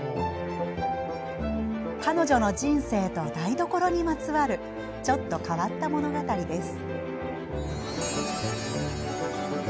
彼女の人生と台所にまつわるちょっと変わった物語です。